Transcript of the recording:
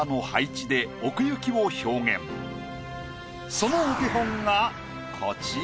そのお手本がこちら。